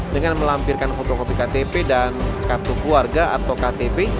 dengan melampirkan fotokopi ktp dan kartu keluarga atau ktp